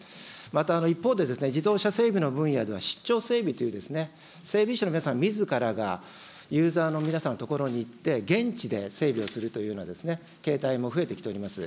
また、一方で自動車整備の分野では出張整備という、整備士の皆さんみずからがユーザーの皆さんのところに行って、現地で整備をするというような形態も増えてきております。